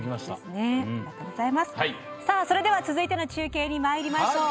それでは、続いての中継にまいりましょう。